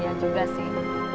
iya juga sih